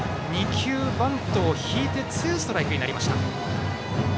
２球、バントを引いてツーストライクになりました。